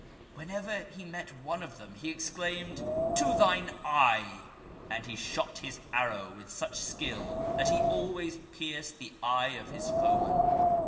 Whenever he met one of them he exclaimed, ' To thine eye !^ and he shot his arrow with such skill that he always pierced the eye of his foeman.